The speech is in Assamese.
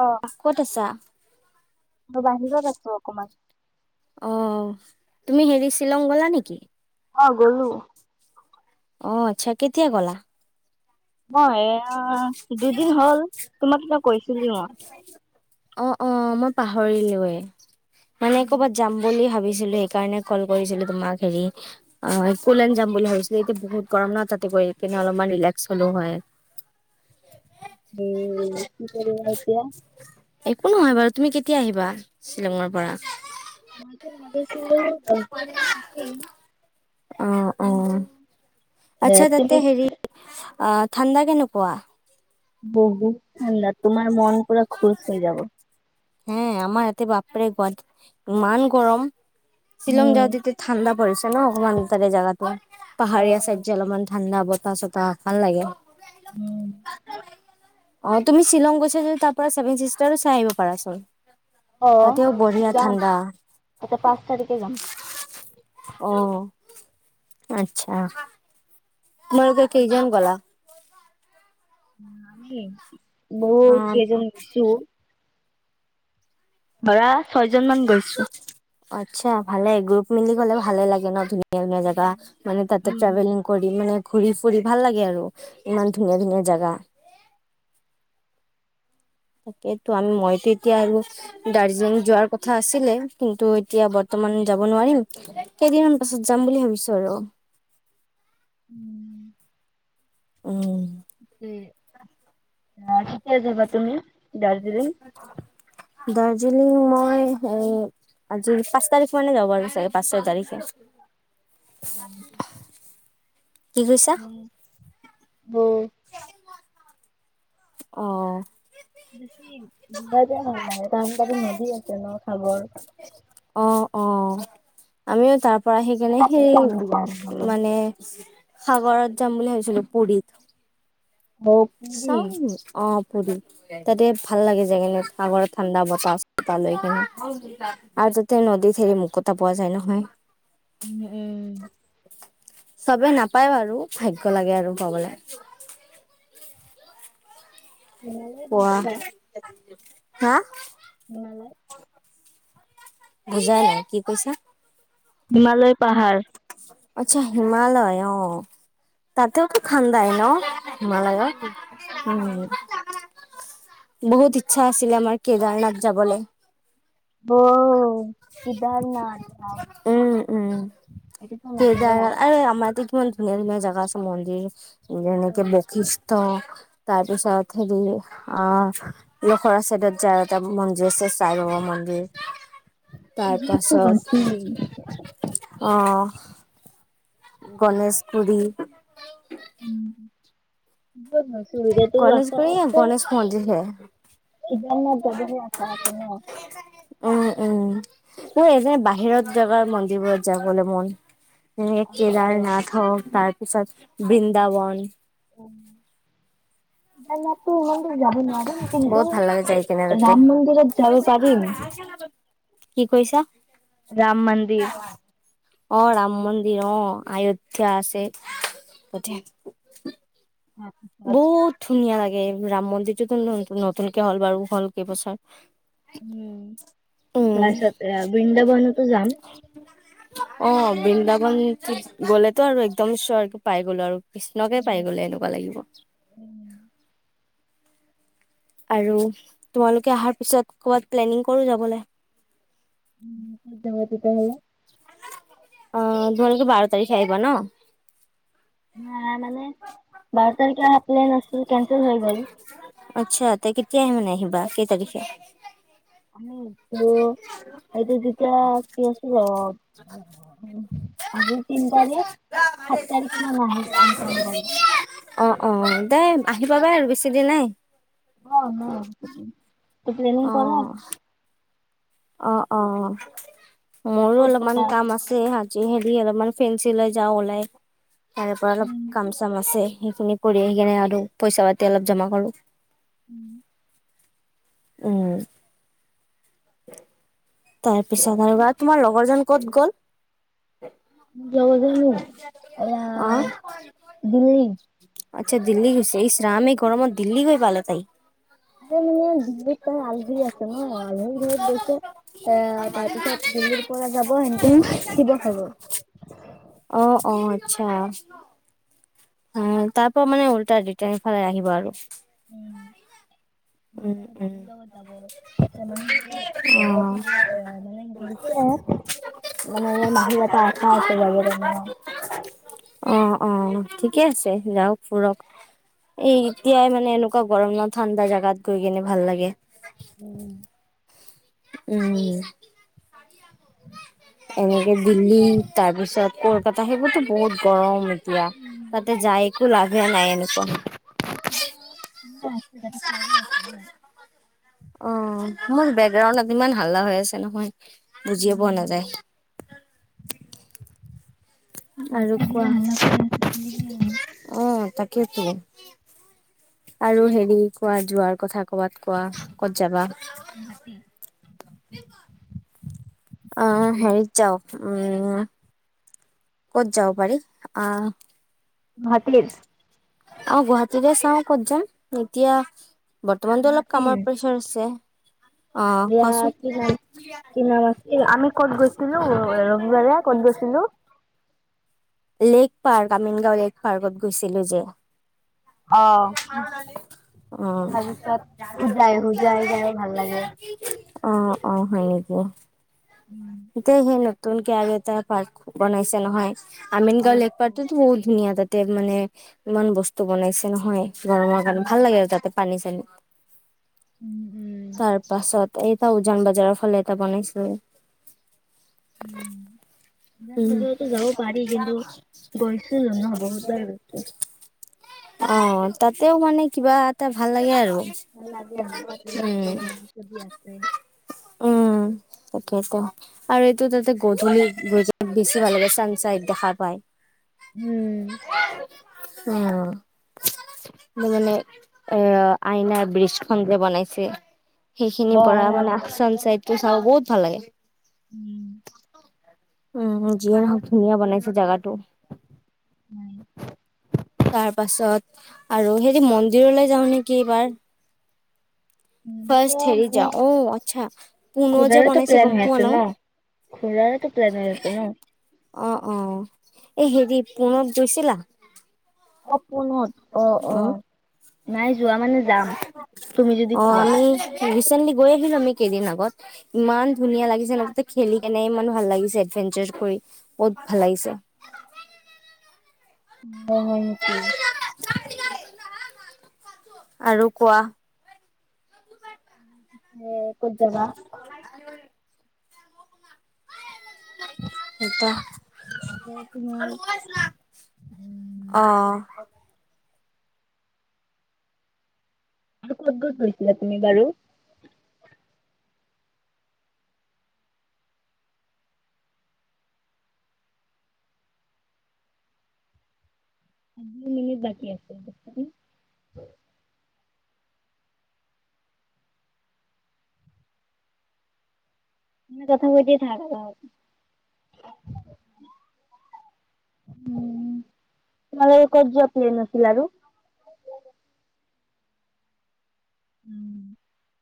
অ ক'ত আছা? মই বাহিৰত আছোঁ অকমান অ', তুমি হেৰি শ্বিলং গ'লা নেকি? অ', গ'লো। অ', আচ্ছা। কেতিয়া গ'লা? মই এয়া দুদিন হ'ল। তোমাক কিবা কৈছিলোঁয়েই মই। অ', অ' মই পাহৰিলোঁৱেই। মানে, ক'বাত যাম বুলি ভাবি একচুৱেলি এই কাৰণে ক'ল কৰিছিলোঁ তোমাক। হেৰি, আ, একুলেণ্ড যাম বুলি ভাবিছিলোঁ। এতিয়া বহুত গৰম ন। তাতে গৈ এপিনে অলপমান ৰিলেক্স হ'লোঁ হয় হম, কি কৰিবা এতিয়া? একো নহয় বাৰু তুমি কেতিয়া আহিবা শ্বিলঙৰ পৰা? [inaudible] মই ভাবিছিলোঁ দশ দিনমান থাকিম। অ', অ', [inaudible] দে [unintelligible] অ', ঠাণ্ডা কেনেকুৱা? বহুত ঠাণ্ডা, তোমাৰ মন পুৰা খুচ হৈ যাব। হে আমাৰ ইয়াতে বাপৰে গোৱাত ইমান গৰম। শ্বিলং যাওঁ তেতিয়া ঠাণ্ডা পৰিছে নহ অকমান তাৰে জাগাটো, অ পাহাৰীয়া অ চাইডযে অলপমান ঠাণ্ডা ব তাছত আৰ ভাল লাগে। উম অহ, তুমি শ্বিলং গৈছা যদি তাৰ পৰা ছেভেন চিষ্টাৰও চাই আহিব পাৰাচোন। অহ, তাতেও বঢ়িয়া যাম ঠাণ্ডা তাতে পাঁচ তাৰিখে যাম। অ আচ্ছা। তোমালোকে কেইজন গ'লা? উম আমিয়েই। অ বহুত কেইজনী গিছোঁ। ধৰা ছয়জনমান গৈছোঁ। আচ্ছা ভালে গ্ৰুপ মিলি গ'লে ভালে লাগে নহ ধুনীয়া। ধুনীয়া ধুনীয়া জাগা উম মানে তাতে উম ট্ৰেভেলিং কৰি মানে। ঘূৰি ফুৰি ভাল লাগে আৰু ইমান ধুনীয়া ধুনীয়া ঠাই। তাকেইতো আমি মইতো এতিয়া আৰু দাৰ্জিলিং যোৱাৰ কথা আছিলে কিন্তু এতিয়া বৰ্তমান যাব নোৱাৰিম কেইদিনমান পাছত যাম বুলি ভাবিছোঁ আৰু। উম। উম। [unintelligible] যাবা তুমি দাৰ্জিলিং। দাৰ্জিলিং মই আজি পাঁচ তাৰিখ মানে যাব পাৰোঁ চাগে পাঁচ ছয় তাৰিখে। [inaudible] কি কৈছা। ব। অ'। বেছি মজা নাই মানে কাৰণ তাতে নদী আছে নহ চাবৰ। অ অ', আমিও তাত পৰা সেইকাৰণে তাতে যাম দিয়া সেই নহ'লে। মানে সাগৰত যাম বুলি ভাবিছিলোঁ পুৰীত। অহ চাওঁ পুৰীত। অ পুৰী, তাতে ভাল লাগে যাই কিনে। সাগৰত ঠাণ্ডা বতাহলৈ-চতাহ লৈ কিনে আৰু তাতে নদীত হেৰি মুকটা পোৱা যায় নহয়। উম, এহ। চবে নাপায় বাৰু, ভাগ্য লাগে আৰু পাবলে। পোৱা [unintelligible] হা? মনালে বুজা নাই, কি কৈছা? হিমালয় পাহাৰ। আচ্ছা হিমালয় অ', তাতেওতো খান্দাই ন'? নালাগে, উম। বহুত ইচ্ছা আছিলে আমাৰ কেদাৰনাথ যাবলে। অ', কেদাৰনাথ ভও! [unintelligible] [unintelligible] আৰে আমাক কিমান ধুনীয়া ধুনীয়া জাগা আছে। মন্দিৰ যেনেকে বশিষ্ট। তাৰ পিছত হেৰি, অ', লখৰা চাইদত যাই এটা মন জেচে, চাই বাবা মন্দিৰ, এইবোৰততো গৈছিলি। তাৰপাছত, অ'। গণেশগুৰি। উম। গণেশগুৰি গণেশ মন্দিৰহে, কেদাৰনাথ যাবহে আশা আছে ন। উম, উম। মোৰ এ যে বাহিৰত জাগাৰ মন্দিৰবোৰত যাবলৈ মন। যেনে অ কেদাৰনাথ হ'ক, তাত পিছত বৃন্দাবন। [unintelligible] মন্দিৰ যাব নোৱাৰিম, কিন্তু বহুত ভাল লাগে এ, যাই কিনে তাতে। ৰাম মন্দিৰত যাব পাৰিম। কি কৰিছা? ৰাম মন্দিৰ অ' ৰাম মন্দিৰ। অ', আয়োধ্যা আছে। [unintelligible] উম বহুত ধুনীয়া লাগে। ৰাম মন্দিৰটোতো নতুনকে হ'ল বাৰু, হ'ল কেবছৰ। উম'। তাৰপাছত এ বৃন্দাবনতো যাম। অ', বৃন্দাবন গ'লেতো আৰু একদম স্বৰ্গ পাই গ'লো আৰু। কৃষ্ণকে পাই গ'লে এনেকুৱা লাগিব। আৰু, তোমালোকে অহাৰ পিছত, ক'ৰবাত প্লেনিং কৰোঁ যাবলে। উম'। তেতিয়াহ'লে। অহ, ঢ'লতো বাৰ তাৰিখে আহিব, ন? হয়, মানে বাৰ [unintelligible] প্লেন আছিল, কেনচেল হৈ গ'ল। আচ্ছা, তে কেতিয়ে মানে আহিবা? কেই তাৰিখে? হ্ মোৰ এইটো, এইটো যেতিয়া কি আছিল, অহ। আজি তিনি তাৰিখ, সাত তাৰিখমান আহি আহি পাব পাৰে। এই, আহি পাবাই আৰু বেছি দিন নাই। অহ, নাই। তে প্লেনিং কৰা। অহ, অহ। মোৰো ক'ত অলপমান যাবা? কাম আছে হা জুহেদি অলপমান ফেঞ্চি লৈ যাওঁ ওলাই। তাৰে পৰা অলপ উম কাম-চাম আছে। সেইখিনি কৰি আহি কিনে আৰু, পইচা-পাতি অলপ জমা কৰোঁ। উম। উম। [unintelligible] তাৰপিছত আৰু বা, তোমাৰ লগৰজন ক'ত গ'ল? লগৰজনীয়ে? অ', এয়া দিল্লী। আচ্ছা, দিল্লী গৈছে? ইছ ৰাম, এই গৰমত দিল্লী গৈ আৰে মানে দিল্লীত তাৰ আলহী আছে ন আলহীৰ ঘৰত গৈছে এ তাৰ পিছত দিল্লীৰ পৰা যাব হেনতে শিৱসাগৰ [unintelligible] [unintelligible] অহ, অহ। আচ্ছা। অ তাৰ পৰা মানে উলতাই দুইটা সেফালে আহিব আৰু উম, উম, মাহীৰ লগত যাব এ মানে কি কৰিছে মানে ইয়াত মাহীৰ এটা আশা আছে যাব কাৰ অ', অ', অ'। ঠিকে আছে যাওক ফুৰক এই এতিয়াই মানে এনেকুৱা গৰম ন ঠাণ্ডা জেগাত গৈ কেনে ভাল লাগে। উম। উম। এনেকে দিল্লী তাৰ পিছত কলকাতা সেইবোৰতো বহুত গৰম এতিয়া তাতে যায় একো লাগ বা নাই এনেকুৱা [unintelligible] অ', মোৰ বেকগ্ৰাউড ইমান হাল্লা হৈ আছে নহয়। বুজিয়ে পোৱা নাযায়। আৰু মাথা কোৱা, গিলা হাল্লা কৰি আছে অ', তাক [unintelligible] আৰু হেৰি কোৱা যোৱাৰ কথা কৰ'বাত কোৱা, ক'ত যাবা? অ', হেৰিত যাওঁ উম। ক'ত যাব পাৰি? আহ [unintelligible] অ', গুৱাহাটীৰে চাওঁ ক'ত যাম, এতিয়া বৰ্তমানতো অলপ কামৰ প্ৰেচাৰ আছে। অ বিয়া কোৱাচোন? কি নাম কি নাম আছিল আমি ক'ত গৈছিলো ৰবিবাৰে ক'ত গৈছিলো লেকপাৰ্ক আমিনগাঁও লেকপাৰ্কত গৈছিলো যে অ অ', তাৰপিছত হোজাই হোজাই যাইও ভাল লাগে অ', অ', [unintelligible] এ, সেই নতুনকে আৰু‌ এটা পাৰ্ক বনাইছে নহয়। অ অ আমিনগাঁও লেক পাৰ্কটো বহু ধুনীয়া তাত মানে ইমান বস্তু বনাইছে নহয়। গৰমৰ কাৰণে উম ভাল লাগে আৰু তাতে পানী তেন উম উম তাৰ পাছত এইটা উজান বজাৰৰ ফালে এটা বনাইছিলে উম। ইমান উম বজাৰো যাব পাৰি কিন্তু গৈছো ন বহুত বাৰ গো অ', তাতেও মানে কিবা এটা ভাল লাগে আৰু ভ লাগে হ ততে উম নদী চদি আছে। তাকেটো আৰু এইটো তাতে গধূলি গৈছোঁ। বেছি ভাল লাগে চানছেট দেখা পায়। উম। অ' মানে আইনাৰ ব্ৰীজখন যে বনাইছে। অ সেইখিনিৰ পৰা আইনাগৰি মানে চাই। চাব বহুত ভাল লাগে। উম। উম যিয়ে নহওঁক ধুনীয়া বনাইছে জাগাটো। উম। তাৰ পাছত আৰু হেৰি মন্দিৰলৈ যাওঁ নেকি এইবাৰ। ফাৰ্ষ্ট হেৰি যাওঁ অ আচ্ছা পুনো যে ঘূৰাৰেতো বনাইছে প্লেন গম হৈ পোৱা আছে ন ঘূৰাৰেতো প্লেন নহ। হৈ আছে ন অ' অ' এই হেৰি পুনোত গৈছিলা। অ' নাই যোৱা মানে যাম তুমি যদি কোৱা। আমি ৰেচেনলী। গৈ আহিলো আমি কেইদিন আগত ইমান ধুনীয়া লাগিছে খেলি কেনে ইমান ভাল লাগিছে এডভেঞ্চাৰ কৰি বহুত ভাল লাগিছে। [inaudible] অ' হয় নেকি। আৰু কোৱা। উম। ক'ত যাবা। সেইটো তোমাৰ উম অহ। আৰু ক'ত গ'ত গৈছিলা তুমি বাৰু। দুই মিনিট বাকী আছে। কথা পাতি থাক তোমালোকৰ ক'ত কোৱা প্লেন আছিল আৰু। [inaudible]